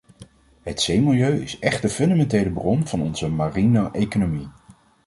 Het zeemilieu is echt de fundamentele bron van onze mariene economie.